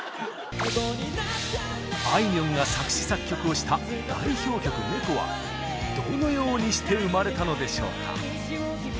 あいみょんが作詞作曲をした代表曲「猫」はどのようにして生まれたのでしょうか？